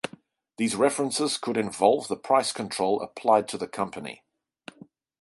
These references could involve the price control applied to the company.